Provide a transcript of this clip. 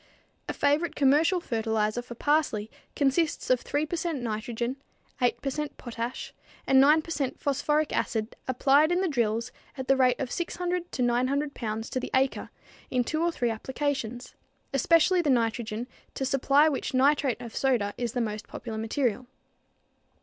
A favorite commercial fertilizer for parsley consists of 3 per cent nitrogen, 8 per cent potash and 9 per cent phosphoric acid applied in the drills at the rate of 600 to 900 pounds to the acre in two or three applications especially the nitrogen, to supply which nitrate of soda is the most popular material.